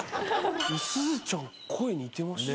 すずちゃん声似てました。